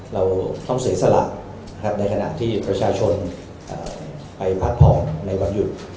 เราต้องเสียสละในขณะที่ประชาชนไปพักผ่อนในวันหยุด